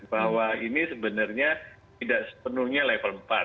bahwa ini sebenarnya tidak sepenuhnya level empat